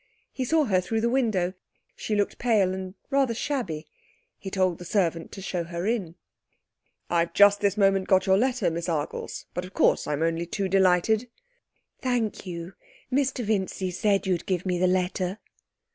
He saw her through the window. She looked pale and rather shabby. He told the servant to show her in. 'I've just this moment got your letter, Miss Argles. But, of course, I'm only too delighted.' 'Thank you. Mr Vincy said you'd give me the letter.'